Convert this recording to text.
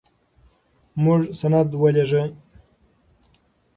موږ سند ولېږه.